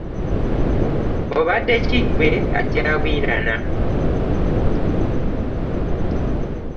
Obadde ki gwe ajja agwirana.